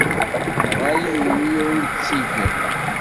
D ṛṛay-nwen i awen-tt-igan.